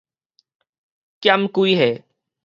減幾歲